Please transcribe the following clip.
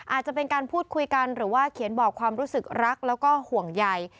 อาจจะเป็นการพูดคุยกันหรือว่าเขียนบอกความรู้สึกรักแล้วก็ห่วงใย